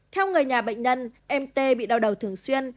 theo người nhà bệnh nhân em tê bị đau đầu thường xuyên